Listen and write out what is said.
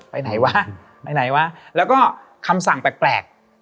ไปไหนวะไปไหนวะแล้วก็คำสั่งแปลก